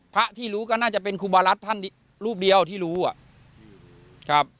พระที่รู้ก็น่าจะเป็นครูบารัฐท่านรูปเดียวที่รู้อ่ะครับ